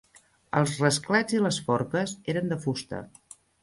Els rasclets i les forques eren de fusta.